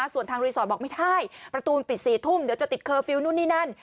ส่วนทางรีสอร์ทบอกไม่ได้ประตูปิด๔ทุ่มเดี๋ยวจะติดเคอร์ฟิลลนู่นนี่นั่น